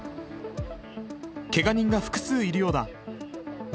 けが人が複数いるようだ。